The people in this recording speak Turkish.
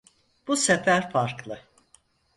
Bu sefer farklı.